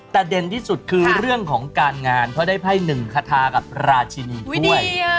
แต่เด่นที่สุดคือเรื่องของการงานเพราะได้ไพ่หนึ่งคาทากับราชินีถ้วย